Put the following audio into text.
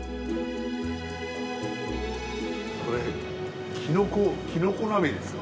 これきのこきのこ鍋ですか？